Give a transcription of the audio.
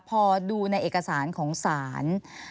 พอดูในเอกสารของศาล